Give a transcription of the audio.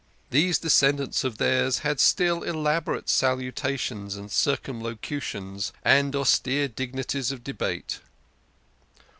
These descendants of theirs had still elaborate salu tations and circumlocutions, and austere dignities of debate.